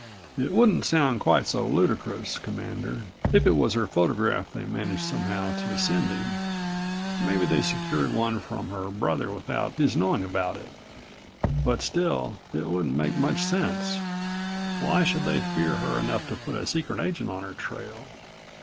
"It wouldn't sound quite so ludicrous, Commander, if it was her photograph they managed somehow to send him. Maybe they secured one from her brother without his knowing about it. But still it wouldn't make much sense. Why should they fear her enough to put a secret agent on her trail?